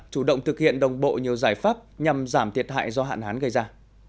chủ động thực hiện đồng bộ nhiều giải pháp nhằm giảm thiệt hại do hạn hán gây ra